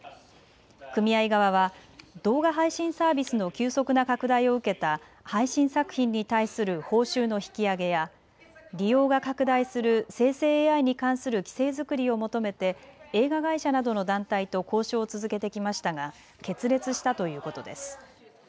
組合側は動画配信サービスの急速な拡大を受けた配信作品に対する報酬の引き上げや利用が拡大する生成ＡＩに関する規制作りを求めて映画会社などの団体と交渉を続けてきましたが決裂したということです。